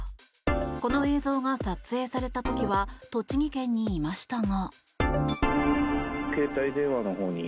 この映像が撮影された時は栃木県にいましたが。